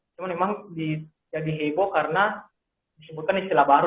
cuma memang jadi heboh karena disebutkan istilah baru